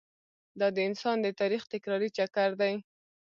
دا د انسان د تاریخ تکراري چکر دی.